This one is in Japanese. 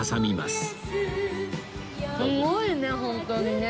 すごいね本当にね。